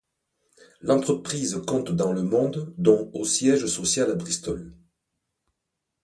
L'entreprise compte dans le monde dont au siège social à Bristol.